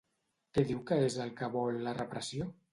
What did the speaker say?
Què diu que és el que vol la repressió?